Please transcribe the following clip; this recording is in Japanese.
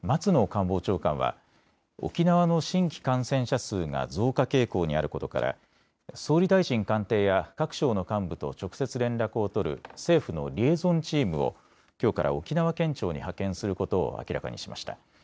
官房長官は沖縄の新規感染者数が増加傾向にあることから総理大臣官邸や各省の幹部と直接連絡を取る政府のリエゾンチームをきょうから沖縄県庁に派遣することを明らかにしました。